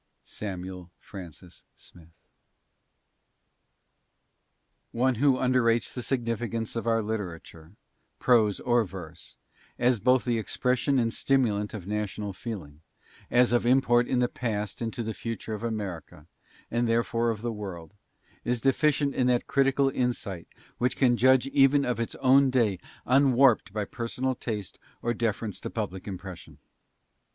S. HELPMATE One who underrates the significance of our literature, prose or verse, as both the expression and stimulant of national feeling, as of import in the past and to the future of America, and therefore of the world, is deficient in that critical insight which can judge even of its own day unwarped by personal taste or deference to public impression.